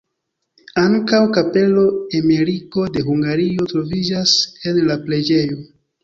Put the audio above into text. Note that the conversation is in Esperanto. Ankaŭ kapelo Emeriko de Hungario troviĝas en la preĝejo.